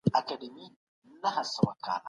ښځه حق لري، چي يوشی رانيسي يا ئې خرڅ کړي.